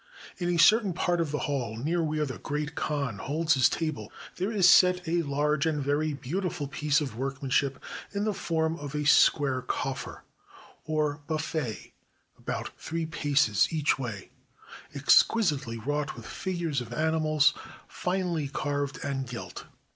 In a certain part of the hall near where the Great Khan holds his table, there is set a large and very beau tiful piece of workmanship in the form of a square coffer, or buffet, about three paces each way, exquisitely wrought with figures of animals, finely carved and gilt.